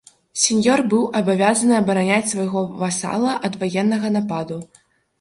Сеньёр быў абавязаны абараняць свайго васала ад ваеннага нападу.